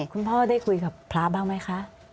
คุณพ่อได้คุยกับพระบ้างไหมคะ